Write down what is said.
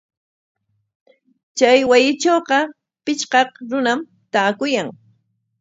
Chay wasitrawqa pichqaq runam taakuyan.